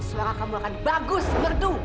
suara kamu akan bagus merdu